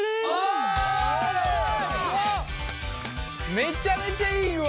めちゃめちゃいい具合。